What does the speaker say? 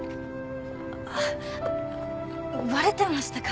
あっバレてましたか。